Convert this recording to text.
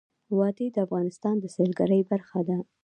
وادي د افغانستان د سیلګرۍ برخه ده.